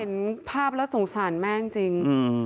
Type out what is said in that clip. เห็นภาพแล้วสงสารแม่จริง